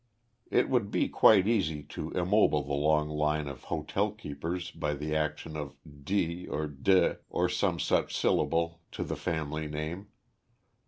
It would be quite easy to ennoble the long line of hotel keepers by the addition of "di" or "de" or some such syllable to the family name.